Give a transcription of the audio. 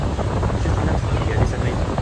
Acu tennamt deg ungal-is amaynut?